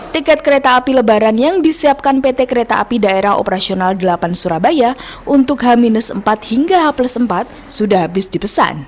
tiket kereta api lebaran yang disiapkan pt kereta api daerah operasional delapan surabaya untuk h empat hingga h empat sudah habis dipesan